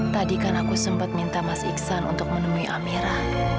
tadi kan aku sempat minta mas iksan untuk menemui amera